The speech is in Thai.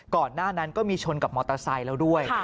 ก่อนหน้านั้นก็มีชนกับมอเตอร์ไซค์แล้วด้วย